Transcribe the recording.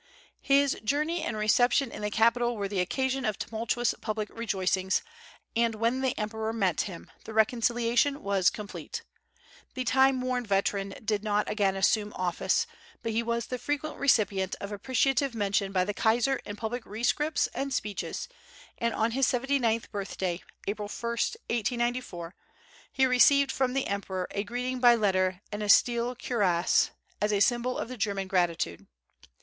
His journey and reception in the capital were the occasion of tumultuous public rejoicings, and when the emperor met him, the reconciliation was complete. The time worn veteran did not again assume office, but he was the frequent recipient of appreciative mention by the kaiser in public rescripts and speeches, and on his seventy ninth birthday, April 1,1894, he received from the emperor a greeting by letter and a steel cuirass, "as a symbol of the German gratitude."